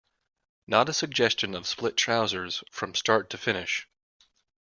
Not a suggestion of split trousers from start to finish.